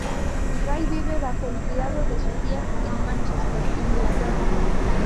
Ray vive bajo el cuidado de su tía en Mánchester, Inglaterra.